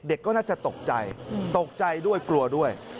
ก็น่าจะตกใจตกใจด้วยกลัวด้วย